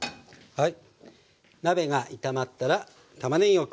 はい。